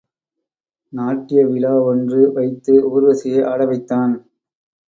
நாட்டிய விழா ஒன்று வைத்து ஊர்வசியை ஆட வைத்தான்.